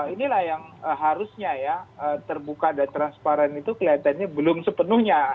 inilah yang harusnya ya terbuka dan transparan itu kelihatannya belum sepenuhnya